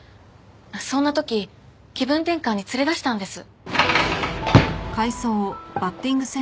そんな時気分転換に連れ出したんです。